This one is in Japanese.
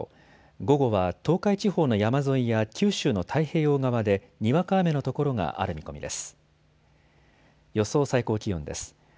午後は東海地方の山沿いや九州の太平洋側でにわか雨の所がある見込みです。